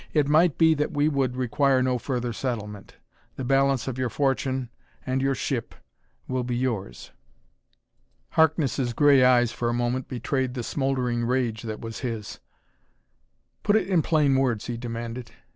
"It might be that we would require no further settlement. The balance of your fortune and your ship will be yours." Harkness' gray eyes, for a moment, betrayed the smouldering rage that was his. "Put it in plain words," he demanded.